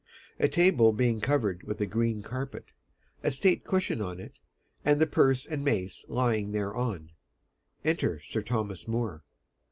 [A table being covered with a green carpet, a state cushion on it, and the Purse and Mace lying thereon, enter Sir Thomas More.] MORE.